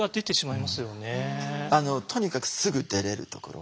とにかくすぐ出れるところ。